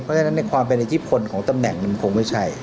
เพราะฉะนั้นในความเป็นอิทธิพลของตำแหน่งมันคงไม่ใช่